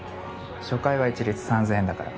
初回は一律３，０００円だから。